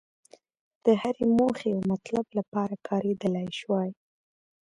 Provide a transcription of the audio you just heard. د هرې موخې او مطلب لپاره کارېدلای شوای.